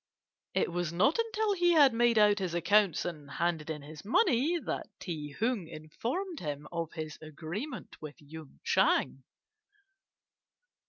It was not until he had made out his accounts and handed in his money that Ti Hung informed him of his agreement with Yung Chang.